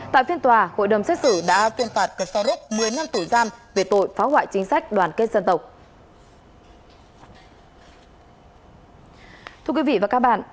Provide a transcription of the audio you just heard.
tại phiên tòa hội đồng xét xử đã tuyên phạt cực so rốt một mươi năm tùy gian về tội phá hoại chính sách đoàn kết dân tộc